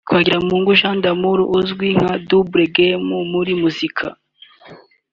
Twagirumukiza Jean d'Amour uzwi nka Double Game mu muziki